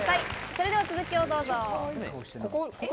それでは続きをどうぞ。